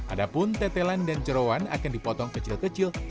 adapun tetelan dan jeruan akan dipotong kecil kecil saja